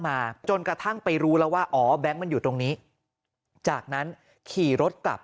มาจนกระทั่งไปรู้แล้วว่าอ๋อแบงค์มันอยู่ตรงนี้จากนั้นขี่รถกลับ